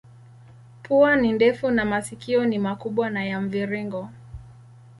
Pua ni ndefu na masikio ni makubwa na ya mviringo.